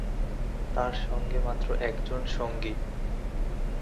তার সঙ্গে মাত্র একজন সঙ্গী।